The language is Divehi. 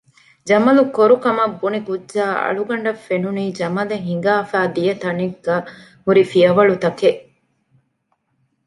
ޖަމަލު ކޮރު ކަމަށް ބުނި ކުއްޖާ އަޅުގަނޑަށް ފެނުނީ ޖަމަލެއް ހިނގާފައި ދިޔަ ތަނެއްގައި ހުރި ފިޔަވަޅުތަކެއް